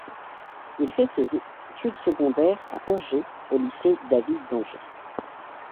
Il fait ses études secondaires à Angers, au lycée David-d'Angers.